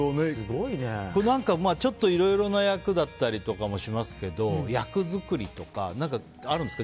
ちょっと、いろいろ役だったりもしますけど役作りとかってあるんですか？